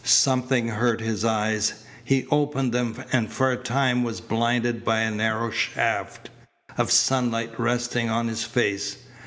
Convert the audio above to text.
Something hurt his eyes. He opened them and for a time was blinded by a narrow shaft, of sunlight resting on his face.